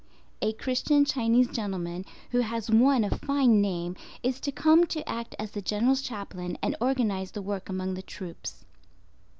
A Christian Chinese gentleman, who has won a fine name, is to come to act as the General's chaplain and organize the work among the troops.